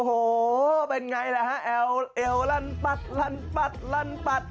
โอ้โหเป็นไงล่ะฮะเอวเอวลั่นปัดลั่นปัดลั่นปัด